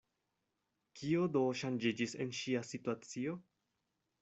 Kio do ŝanĝiĝis en ŝia situacio?